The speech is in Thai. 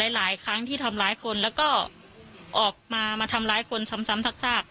หลายครั้งที่ทำร้ายคนแล้วก็ออกมามาทำร้ายคนซ้ำซาก